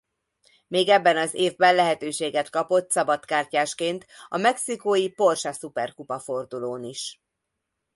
Még ebben az évben lehetőséget kapott szabadkártyásként a mexikói Porsche Szuperkupa fordulón is.